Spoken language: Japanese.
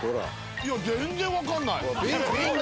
いや全然わからない。